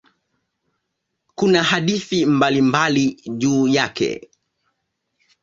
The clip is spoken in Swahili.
Kuna hadithi mbalimbali juu yake.